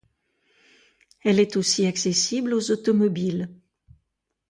Elle est aussi accessible aux automobiles.